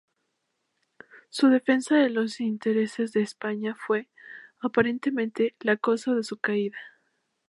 Su defensa de los intereses de España fue, aparentemente, la causa de su caída.